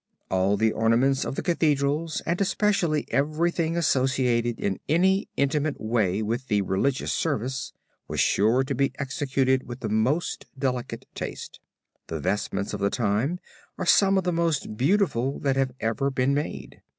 All the adornments of the Cathedrals and especially everything associated in any intimate way with the religious service was sure to be executed with the most delicate taste. The vestments of the time are some of the most beautiful that have ever been made.